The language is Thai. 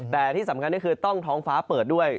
แต่ที่สำคัญก็คือต้องท้องฟ้าเปิดด้วย